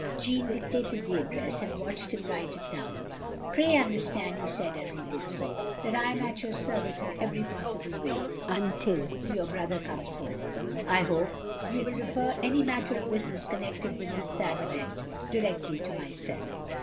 Jeanne dictated the address, and watched him write it down. "Pray understand," he said, as he did so, "that I am at your service in every possible way, until your brother comes home. I hope you will refer any matter of business connected with this sad event — directly to myself."